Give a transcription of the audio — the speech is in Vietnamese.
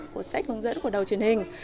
của sách hướng dẫn của đầu truyền hình